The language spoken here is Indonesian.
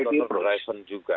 program untuk total rights juga